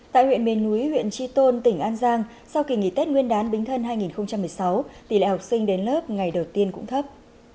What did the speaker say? tại huyện miền núi huyện tri tôn tỉnh an giang sau kỳ nghỉ tết nguyên đán bính thân hai nghìn một mươi sáu tỷ lệ học sinh đến lớp ngày đầu tiên cũng thấp